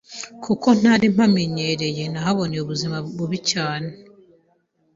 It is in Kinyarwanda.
kuko ntari mpamenyereye nahaboneye ubuzima bubi cyane